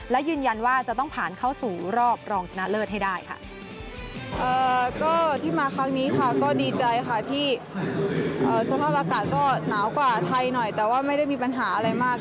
และยืนยันว่าจะต้องผ่านเข้าสู่รอบรองชนะเลิศให้ได้ค่ะ